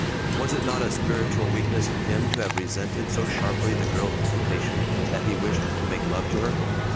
Was it not a spiritual weakness in him to have resented so sharply the girl's imputation that he wished to make love to her?